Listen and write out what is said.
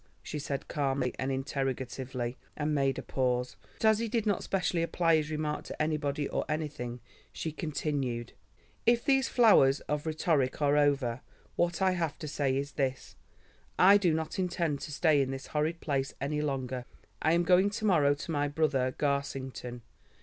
she said calmly and interrogatively, and made a pause, but as he did not specially apply his remark to anybody or anything, she continued: "If these flowers of rhetoric are over, what I have to say is this: I do not intend to stay in this horrid place any longer. I am going to morrow to my brother Garsington.